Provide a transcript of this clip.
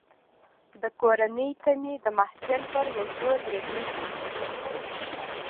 د کورنۍ تمې د محصل پر اوږو درنې وي.